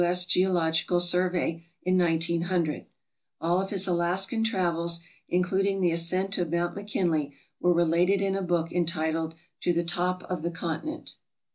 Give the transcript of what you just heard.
S. Geological Survey in 1900. All of his Alaskan travels, including the ascent of Mt. McKinley, were related in a book entitled "To the Top of the Continent."